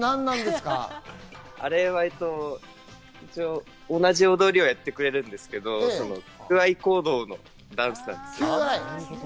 あれは同じ踊りをやってくれるんですけど、求愛行動のダンスなんです。